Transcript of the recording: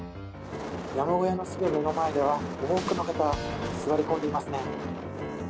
山小屋のすぐ目の前では多くの方が座り込んでいますね。